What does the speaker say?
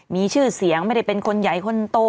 มีชื่อเสียงไม่ได้เป็นคนใหญ่คนโต